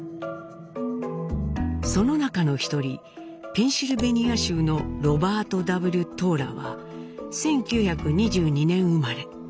その中の一人ペンシルベニア州のロバート・Ｗ・トーラは１９２２年生まれ。